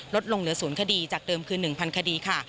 ลดลงเหลือ๐คดีจากเดิมคือ๑๐๐คดีค่ะ